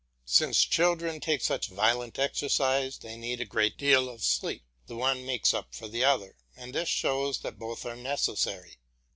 Since children take such violent exercise they need a great deal of sleep. The one makes up for the other, and this shows that both are necessary.